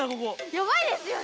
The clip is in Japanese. ヤバいですよね。